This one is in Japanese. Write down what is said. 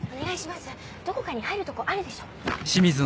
どこかに入るとこあるでしょ？